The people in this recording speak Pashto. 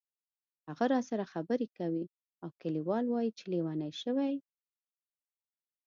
هغه راسره خبرې کوي او کلیوال وایي چې لیونی شوې.